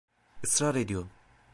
Israr ediyorum.